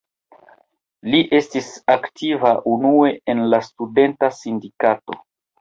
Li estis aktiva unue en la studenta sindikato.